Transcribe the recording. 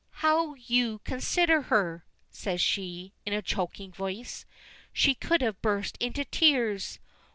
"How you consider her!" says she, in a choking voice. She could have burst into tears!